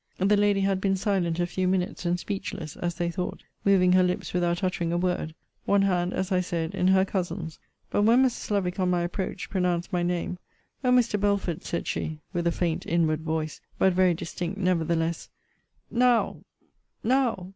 The lady had been silent a few minutes, and speechless, as they thought, moving her lips without uttering a word; one hand, as I said, in her cousin's. But when Mrs. Lovick, on my approach, pronounced my name, O Mr. Belford, said she, with a faint inward voice, but very distinct nevertheless Now! Now!